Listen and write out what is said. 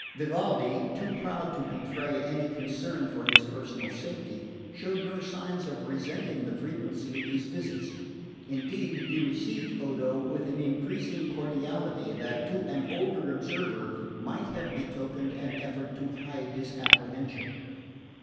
Vivaldi, too proud to betray any concern for his personal safety, showed no sign of resenting the frequency of these visits; indeed, he received Odo with an increasing cordiality that, to an older observer, might have betokened an effort to hide his apprehension.